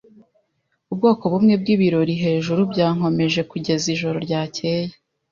Ubwoko bumwe bwibirori hejuru byankomeje kugeza ijoro ryakeye.